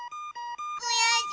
くやしい！